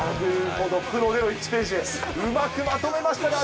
プロでの１ページ、うまくまとめましたね。